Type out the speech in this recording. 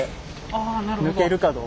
あなるほど。